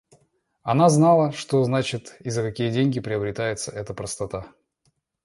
Она знала, что значит и за какие деньги приобретается эта простота.